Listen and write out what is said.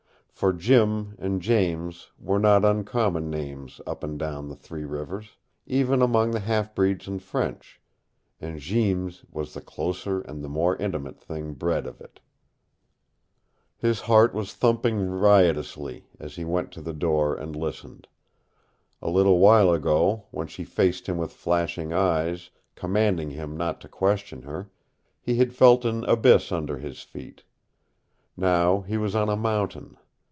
For Jim and James were not uncommon names up and down the Three Rivers, even among the half breeds and French, and Jeems was the closer and more intimate thing bred of it. His heart was thumping riotously as he went to the door and listened. A little while ago, when she faced him with flashing eyes, commanding him not to question her, he had felt an abyss under his feet. Now he was on a mountain.